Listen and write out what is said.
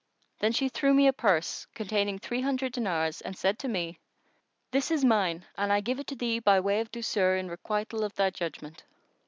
Then she threw me a purse containing three hundred dinars and said to me, "This is mine and I give it to thee by way of douceur in requital of thy judgment."